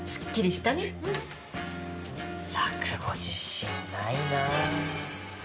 落語自信ないなぁ。